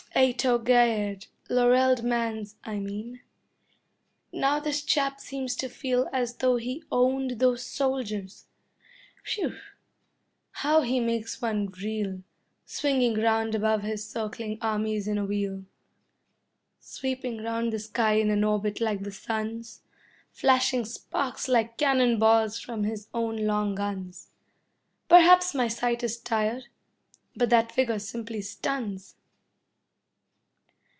A togaed, laurelled man's I mean. Now this chap seems to feel As though he owned those soldiers. Whew! How he makes one reel, Swinging round above his circling armies in a wheel. Sweeping round the sky in an orbit like the sun's, Flashing sparks like cannon balls from his own long guns. Perhaps my sight is tired, but that figure simply stuns.